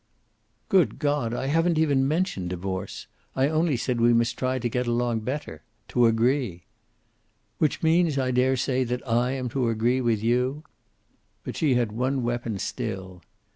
"Good God, I haven't even mentioned divorce. I only said we must try to get along better. To agree." "Which means, I dare say, that I am to agree with you!" But she had one weapon still.